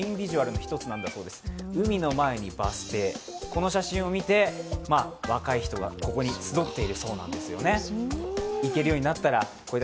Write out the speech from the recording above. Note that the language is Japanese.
この写真を見て、若い人がここに集っているそうなんですね。